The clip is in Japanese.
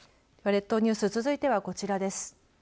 列島ニュース続いては、こちらです。